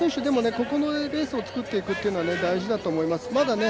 ここレースをつくっていくのが大事だと思います。